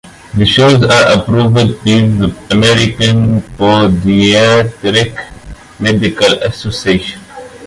The shoes are approved by the American Podiatric Medical Association.